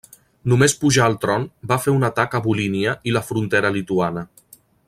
Només pujar al tron va fer un atac a Volínia i la frontera lituana.